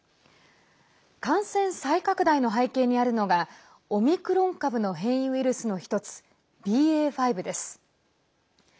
感染再拡大の背景にあるのがオミクロン株の変異ウイルスの１つＢＡ．５です。